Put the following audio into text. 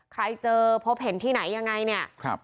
ใครเจอพบเห็นที่ไหนยังไงเนี่ย